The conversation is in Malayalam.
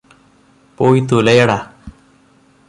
പോയി തുലയെടാ